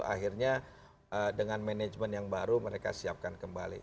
akhirnya dengan manajemen yang baru mereka siapkan kembali